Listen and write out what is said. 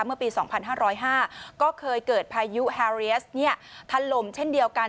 เมื่อปี๒๕๐๕ก็เคยเกิดพายุแฮเรียสถล่มเช่นเดียวกัน